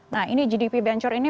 nah ini gdp bentur ini